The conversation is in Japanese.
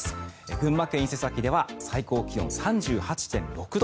群馬県伊勢崎では最高気温３８．６度。